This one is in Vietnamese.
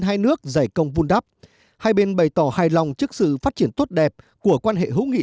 hai nước giải công vun đắp hai bên bày tỏ hài lòng trước sự phát triển tốt đẹp của quan hệ hữu nghị